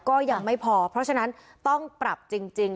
ก็ยังไม่พอเพราะฉะนั้นต้องปรับจริง